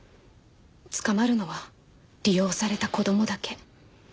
捕まるのは利用された子供だけ。